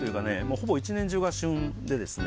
ほぼ一年中が旬でですね。